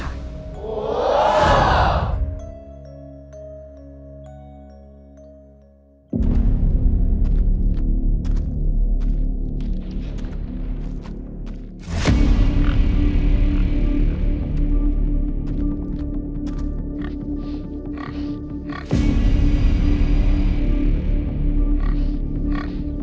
งั้นหน้าดูต่อมา